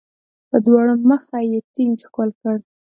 په دواړه مخه یې ټینګ ښکل کړ.